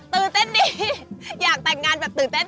ตื่นเต้นดีอยากแต่งงานแบบตื่นเต้น